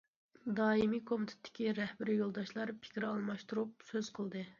دائىمىي كومىتېتتىكى رەھبىرىي يولداشلار پىكىر ئالماشتۇرۇپ سۆز قىلدى.